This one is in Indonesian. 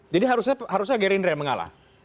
jadi harusnya gerindra yang mengalah